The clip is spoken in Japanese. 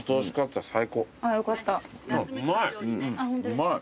うまい！